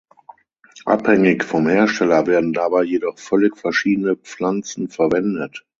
Abhängig vom Hersteller werden dabei jedoch völlig verschiedene Pflanzen verwendet.